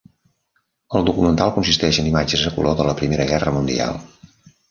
El documental consisteix en imatges a color de la Primera Guerra Mundial.